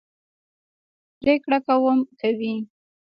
پرېکړه کوم کوي.